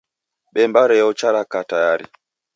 Bemba reocha raka tayari